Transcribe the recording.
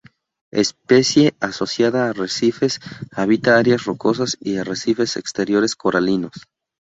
Especie asociada a arrecifes, habita áreas rocosas y arrecifes exteriores coralinos.